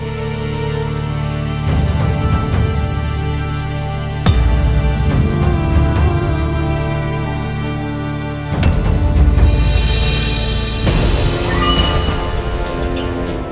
siapa yang dimaksud di tempah ini